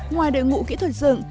ngoài đội ngũ kỹ thuật dựng